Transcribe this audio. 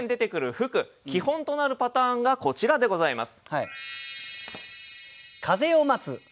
基本となるパターンがこちらでございます。